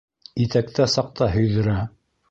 Итәктә саҡта һөйҙөрә.